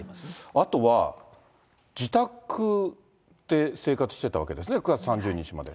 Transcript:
あとは、自宅で生活してたわけですね、９月３０日まで。